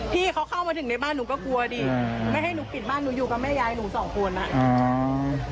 พี่เขาเข้ามาถึงในบ้านหนูก็กลัวดิไม่ให้หนูปิดบ้านหนูอยู่กับแม่ยายหนูสองคนอ่ะอืม